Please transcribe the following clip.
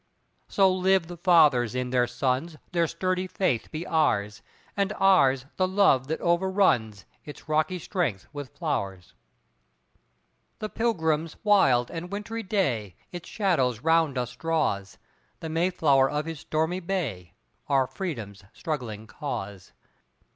So live the fathers in their sons, Their sturdy faith be ours, And ours the love that overruns Its rocky strength with flowers. The Pilgrim's wild and wintry day Its shadows round us draws; The Mayflower of his stormy bay, Our Freedom's struggling cause.